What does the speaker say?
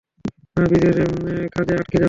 না, ব্রিজের খাঁজে আটকে যাবে।